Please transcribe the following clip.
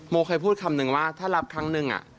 เคยพูดคำนึงว่าถ้ารับครั้งหนึ่ง